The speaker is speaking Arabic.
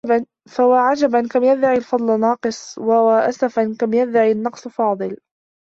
فوا عجبا كم يدعي الفضل ناقص ووا أسفا كم يدعي النقص فاضل